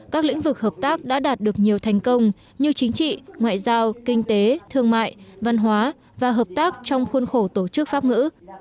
các lĩnh vực hợp tác đã đạt được nhiều thành công như chính trị ngoại giao kinh tế thương mại văn hóa và hợp tác trong khuôn khổ tổ chức pháp ngữ